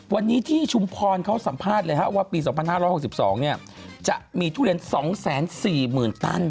วันนี้ที่ชุมพรเขาสัมภาษณ์เลยว่าปี๒๕๖๒จะมีทุเรียน๒๔๐๐๐ตัน